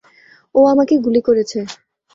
ও আমাকে গুলি করেছে!